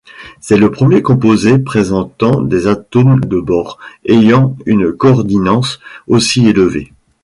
C'est le premier composé présentant des atomes de bore ayant une coordinence aussi élevée.